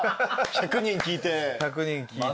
１００人聞いて。